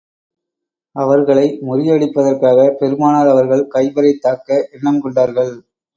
அவர்களை முறியடிப்பதற்காகப் பெருமானார் அவர்கள் கைபரைத் தாக்க எண்ணம் கொண்டார்கள்.